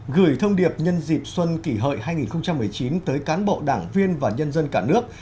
gửi thông điệp nhân dịp xuân kỷ hợi hai nghìn một mươi chín tới cán bộ đảng viên và nhân dân cả nước